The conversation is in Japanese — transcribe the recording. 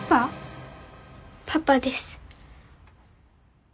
パパです。